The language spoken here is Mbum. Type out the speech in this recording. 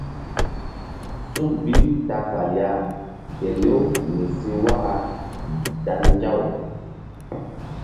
Suk bi ta fal ya kelew mi si waka dan nzaw.